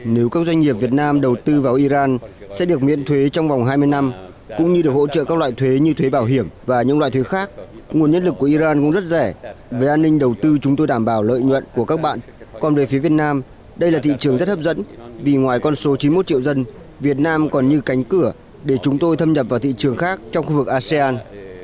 nếu các doanh nghiệp việt nam đầu tư vào iran sẽ được miễn thuế trong vòng hai mươi năm cũng như được hỗ trợ các loại thuế như thuế bảo hiểm và những loại thuế khác nguồn nhân lực của iran cũng rất rẻ về an ninh đầu tư chúng tôi đảm bảo lợi nhuận của các bạn còn về phía việt nam đây là thị trường rất hấp dẫn vì ngoài con số chín mươi một triệu dân việt nam còn như cánh cửa để chúng tôi thâm nhập vào thị trường khác trong khu vực asean